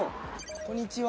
こんにちは。